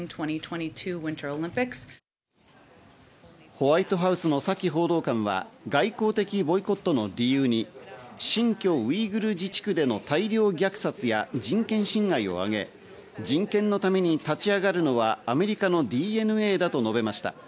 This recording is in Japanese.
ホワイトハウスのサキ報道官は外交的ボイコットの理由に新疆ウイグル自治区での大量虐殺や人権侵害を挙げ、人権のために立ち上がるのはアメリカのＤＮＡだと述べました。